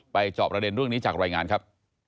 จอบประเด็นเรื่องนี้จากรายงานครับ